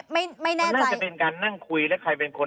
มันก็นั่งคุยแล้วใครเป็นคน